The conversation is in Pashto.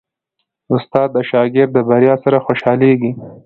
استاد د شاګرد د بریا سره خوشحالېږي.